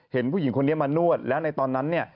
เห็นผู้หญิงคนนี้มานวดแล้วในตอนนั้นเนี่ย